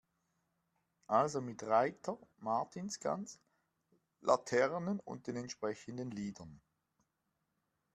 Also mit Reiter, Martinsgans, Laternen und den entsprechenden Liedern.